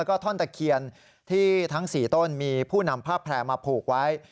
แล้วก็ท่อนตะเคียนที่ทั้ง๔ต้นมีผู้นำผ้าแพร่มาผูกไว้